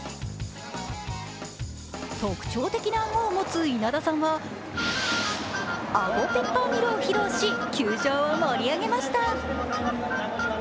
特徴的なアゴを持つ稲田さんはアゴペッパーミルを披露し、球場を盛り上げました。